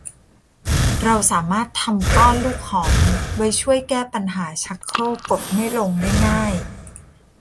เราสามารถทำก้อนลูกหอมไว้ช่วยแก้ปัญหาชักโครกกดไม่ลงได้ง่าย